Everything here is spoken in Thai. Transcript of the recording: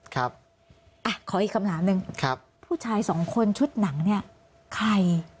ขออีกคำถามหนึ่งผู้ชายสองคนชุดหนังเนี่ยใคร